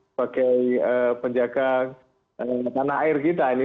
sebagai penjaga tanah air kita ini